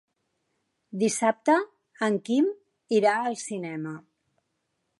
Dissabte en Quim irà al cinema.